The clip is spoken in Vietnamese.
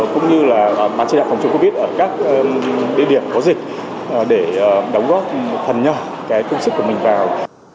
cũng như là ban chỉ đạo phòng chống covid ở các địa điểm có dịch để đóng góp phần nhỏ công sức của mình vào